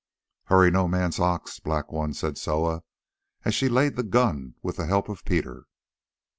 "Hurry no man's ox, Black One," said Soa, as she laid the gun with the help of Peter.